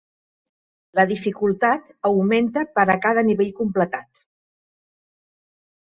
La dificultat augmenta per a cada nivell completat.